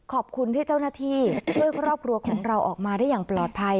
ขอบคุณที่เจ้าหน้าที่ช่วยครอบครัวของเราออกมาได้อย่างปลอดภัย